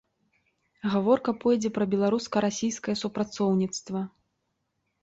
Гаворка пойдзе пра беларуска-расійскае супрацоўніцтва.